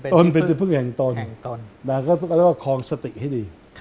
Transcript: ต้องคล้องสติให้ดี